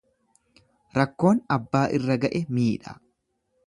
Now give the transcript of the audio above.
Rakkoon abbaa irra ga'e miidha.